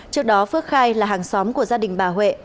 trước đó phước khai là hàng xóm của gia đình bà huệ